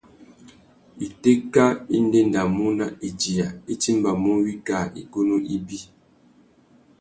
Itéka i ndéndamú à idiya, i timbamú wikā igunú ibi.